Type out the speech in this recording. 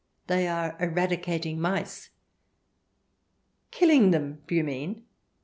They are eradicating mice." " Killing them, do you mean ?